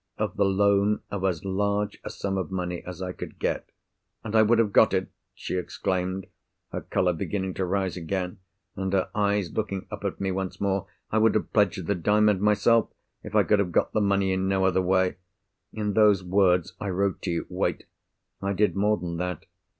of the loan of as large a sum of money as I could get.—And I would have got it!" she exclaimed, her colour beginning to rise again, and her eyes looking up at me once more. "I would have pledged the Diamond myself, if I could have got the money in no other way! In those words I wrote to you. Wait! I did more than that.